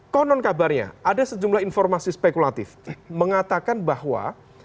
konon kabarnya ada sejumlah informasi spekulatif mengatakan bahwa